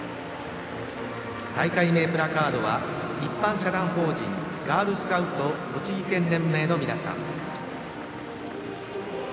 大会名プラカードは一般社団法人ガールスカウト栃木県連盟の皆さん。